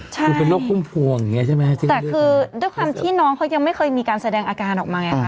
คือเป็นโรคพุ่มพวงอย่างเงี้ใช่ไหมฮะจริงแต่คือด้วยความที่น้องเขายังไม่เคยมีการแสดงอาการออกมาไงค่ะ